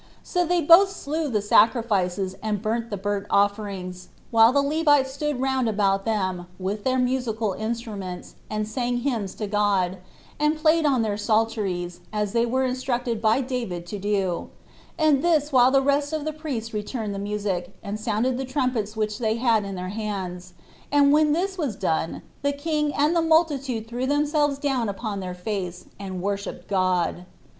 So they both slew the sacrifices, and burnt the burnt offerings, while the Levites stood round about them, with their musical instruments, and sang hymns to God, and played on their psalteries, as they were instructed by David to do, and this while the rest of the priests returned the music, and sounded the trumpets which they had in their hands; and when this was done, the king and the multitude threw themselves down upon their face, and worshipped God.